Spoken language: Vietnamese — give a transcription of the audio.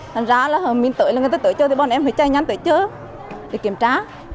thành ra là hôm mình tới là người ta tới chưa thì bọn em phải chạy nhanh tới chưa để kiểm tra